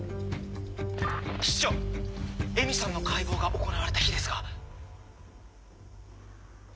室長恵美さんの解剖が行われた日ですが。